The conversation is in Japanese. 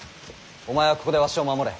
お前はここでわしを守れ。